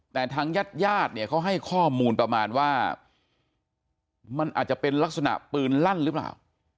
แต่ทางญาติญาติเนี่ยเขาให้ข้อมูลประมาณว่ามันอาจจะเป็นลักษณะปืนลั่นหรือเปล่า